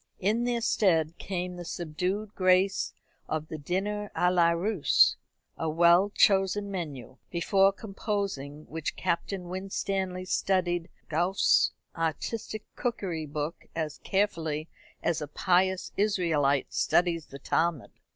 In their stead came the subdued grace of the dîner à la Russe, a well chosen menu, before composing which Captain Winstanley studied Gouffé's artistic cookery book as carefully as a pious Israelite studies the Talmud.